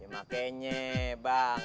ya makanya bang